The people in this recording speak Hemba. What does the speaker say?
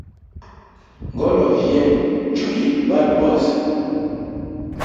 Ngolonvi yenu njo yimo banwe bose.